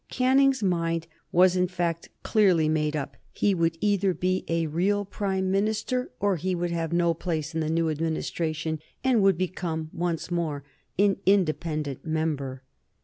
Canning's mind was, in fact, clearly made up. He would either be a real Prime Minister, or he would have no place in the new Administration, and would become once again an independent member.